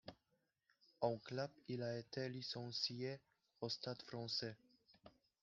En club, il a été licencié au Stade français.